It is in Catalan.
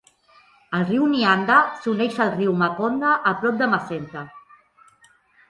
El riu Nianda s'uneix al riu Makonda, a prop de Macenta.